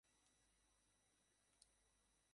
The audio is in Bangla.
তাহাদের দুইটি কন্যা সন্তান ছিল।